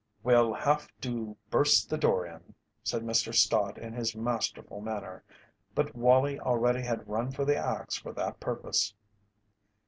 "We'll have to burst the door in," said Mr. Stott in his masterful manner, but Wallie already had run for the axe for that purpose.